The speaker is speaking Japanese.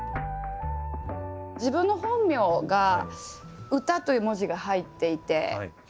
自分の本名が「歌」という文字が入っていて。